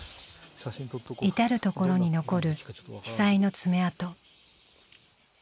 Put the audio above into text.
至る所に残る被災の爪痕。